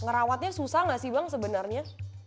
ngerawatnya susah nggak sih bang sebenarnya